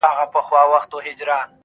له ارغوان تر لاله زار ښکلی دی.!